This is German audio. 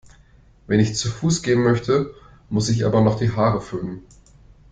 Wenn ich zu Fuß gehen möchte, muss ich aber noch die Haare föhnen.